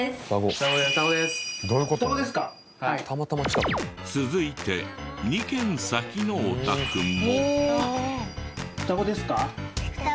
さらに２軒先のお宅も。